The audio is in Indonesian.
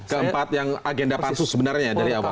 keempat yang agenda pansus sebenarnya dari awal